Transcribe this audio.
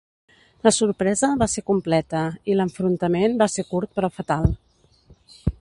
La sorpresa va ser completa i l'enfrontament va ser curt però fatal.